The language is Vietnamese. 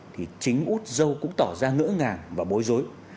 thì chính úc râu cũng tỏ ra ngỡ ngàng và bối rối